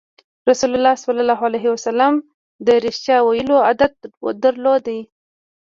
رسول الله ﷺ د رښتیا ویلو عادت درلود.